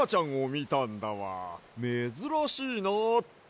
めずらしいなって。